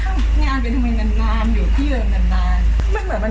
ทำงานครบ๒๐ปีได้เงินชดเฉยเลิกจ้างไม่น้อยกว่า๔๐๐วัน